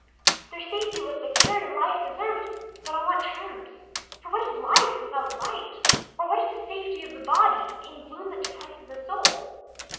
Their safety was secured and life preserved, but on what terms? For what is life without light, or what is the safety of the body in gloom that depresses the soul?